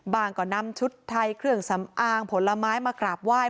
ก็นำชุดไทยเครื่องสำอางผลไม้มากราบไหว้